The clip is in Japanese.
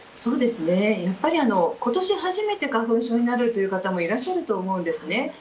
やっぱり今年初めて花粉症になるという方もいらっしゃると思うんですね。